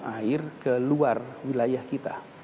air ke luar wilayah kita